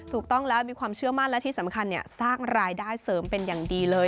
ถูกต้องแล้วมีความเชื่อมั่นและที่สำคัญสร้างรายได้เสริมเป็นอย่างดีเลย